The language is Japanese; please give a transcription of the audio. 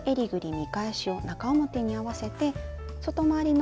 見返しを中表に合わせて外回りの折った